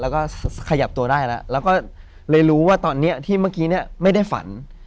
แล้วก็ขยับตัวได้แล้วแล้วก็เลยรู้ว่าตอนนี้ที่เมื่อกี้เนี่ยไม่ได้ฝัน